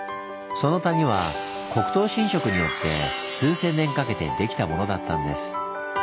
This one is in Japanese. その谷は谷頭侵食によって数千年かけてできたものだったんです。